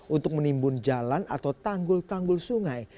untuk menimbun jalan atau tanggul tanggul sungai